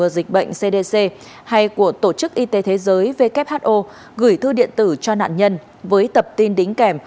dịch bệnh cdc hay của tổ chức y tế thế giới who gửi thư điện tử cho nạn nhân với tập tin đính kèm